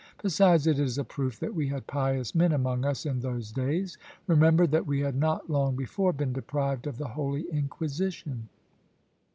"Besides it is a proof that we had pious men among us in those days. Remember that we had not long before been deprived of the holy Inquisition."